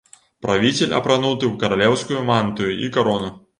Правіцель апрануты ў каралеўскую мантыю і карону.